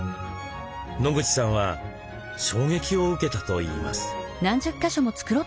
野口さんは衝撃を受けたといいます。